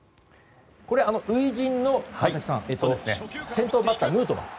これ、初陣の先頭バッターヌートバー。